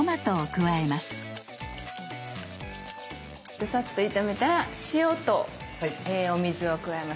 でサッと炒めたら塩とお水を加えます。